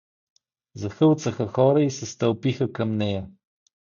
Захълцаха хора и се стълпиха към нея.